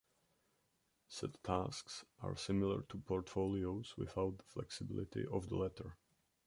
Set tasks are similar to portfolios without the flexibility of the latter.